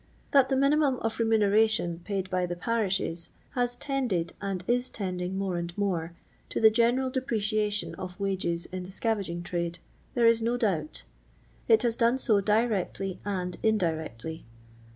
That the minimum of remuneration paid by the parishes has tended, and is tending more and more, to the general depreciation of wages in the scavaging trade, there is no doubt. It has done so directly and indirectly.